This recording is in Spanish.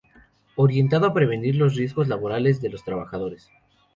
Orientado a prevenir los riesgos laborales de los trabajadores.